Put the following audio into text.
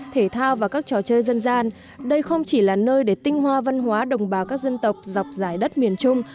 thể thao và các trò chơi dân gian đây không chỉ là nơi để tinh hoa văn hóa đồng bào các dân tộc dọc dài đất miền trung